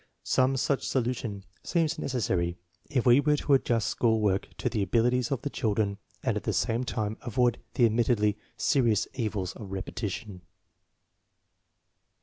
Some such solution seems necessary if we are to adjust school work to the abilities of the children and at the same time avoid the admittedly serious evils of repetition.